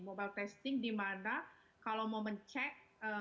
mobile testing dimana kalau mau mencek